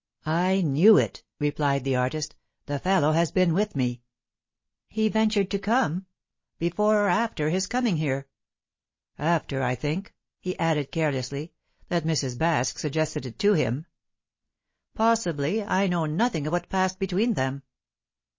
"I knew it," replied the artist. "The fellow has been with me." "He ventured to come? Before or after his coming here?" "After. I think," he added carelessly, "that Mrs. Baske suggested it to him." "Possibly. I know nothing of what passed between them."